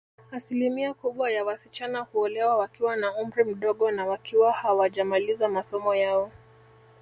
Asilimia kubwa ya wasichana huolewa wakiwa na umri mdogo na wakiwa hawajamaliza masomo yao